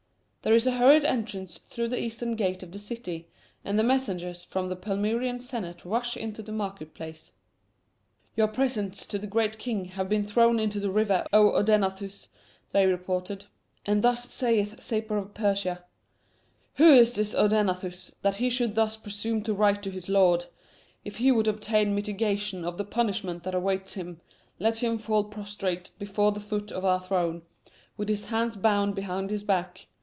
There is a hurried entrance through the eastern gate of the city, and the messengers from the Palmyrean senate rush into the Market place. "Your presents to the Great King have been thrown into the river, O Odaenathus," they reported, "and thus sayeth Sapor of Persia: 'Who is this Odaenathus, that he should thus presume to write to his lord? If he would obtain mitigation of the punishment that awaits him, let him fall prostrate before the foot of our throne, with his hands bound behind his back.